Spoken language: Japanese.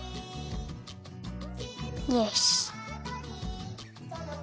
よし。